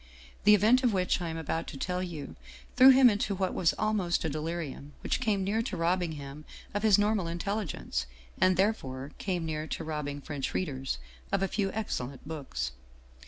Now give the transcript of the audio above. The event of which I am about to tell you threw him into what was almost a de lirium, which came near to robbing him of his normal in telligence, and therefore came near to robbing French read ers of a few excellent books.